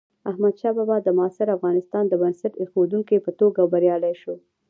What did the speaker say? احمدشاه بابا د معاصر افغانستان د بنسټ ایښودونکي په توګه بریالی شو.